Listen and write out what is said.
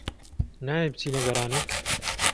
نایەی بچینە گەڕانێک؟